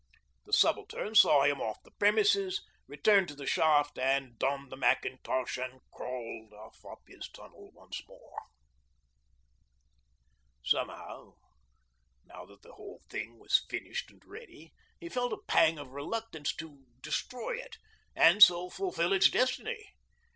The Subaltern saw him off the premises, returned to the shaft and donned the mackintosh, and crawled off up his tunnel once more. Somehow, now that the whole thing was finished and ready, he felt a pang of reluctance to destroy it and so fulfil its destiny.